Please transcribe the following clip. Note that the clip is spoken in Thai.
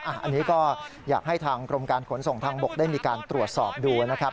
อันนี้ก็อยากให้ทางกรมการขนส่งทางบกได้มีการตรวจสอบดูนะครับ